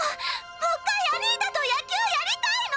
もっかいアニータと野球やりたいの！